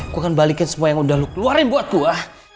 gua akan balikin semua yang udah lu keluarin buat gua